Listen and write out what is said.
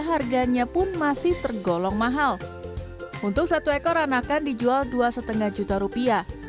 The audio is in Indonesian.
harganya pun masih tergolong mahal untuk satu ekor anakan dijual dua lima juta rupiah